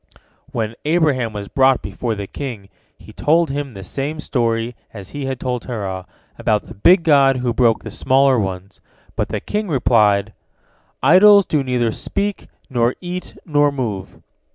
When Abraham was brought before the king, he told him the same story as he had told Terah, about the big god who broke the smaller ones, but the king replied, "Idols do neither speak, nor eat, nor move."